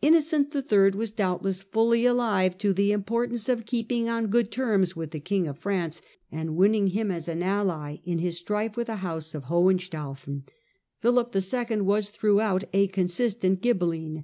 Innocent III. was, doubtless, fully alive to the importance of keeping on good terms with the King of France, and winning him as an ally in his strife with the house of Hohenstaufen. Philip II. was throughout a consistent Ghibeline.